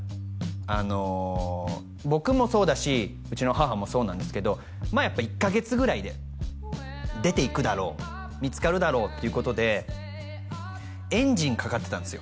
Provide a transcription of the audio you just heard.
あの僕もそうだしうちの母もそうなんですけどまあやっぱ１カ月ぐらいで出て行くだろう見つかるだろうっていうことでエンジンかかってたんですよ